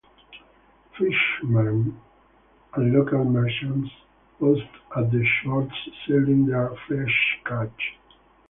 Fishermen and local merchants post at the shores selling their fresh catch.